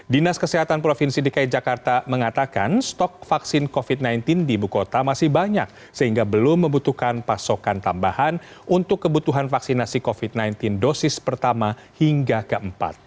dinas kesehatan provinsi dki jakarta mengatakan stok vaksin covid sembilan belas di ibu kota masih banyak sehingga belum membutuhkan pasokan tambahan untuk kebutuhan vaksinasi covid sembilan belas dosis pertama hingga keempat